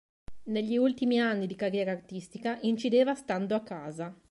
Negli ultimi anni di carriera artistica incideva stando a casa.